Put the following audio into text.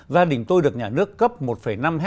gia đình tôi được nhà nước cấp một năm hectare